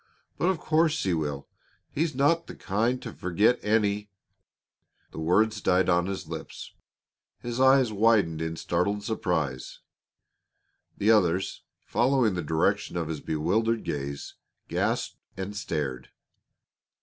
But of course he will. He's not the kind to forget any " The words died on his lips; his eyes widened in startled surprise. The others, following the direction of his bewildered gaze, gasped and stared.